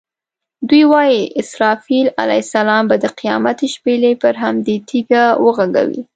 دوی وایي اسرافیل علیه السلام به د قیامت شپېلۍ پر همدې تیږه وغږوي.